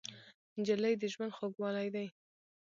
نجلۍ د ژوند خوږوالی دی.